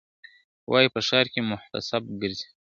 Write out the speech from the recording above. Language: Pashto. وايی په ښار کي محتسب ګرځي ,